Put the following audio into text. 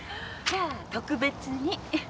じゃあ特別に。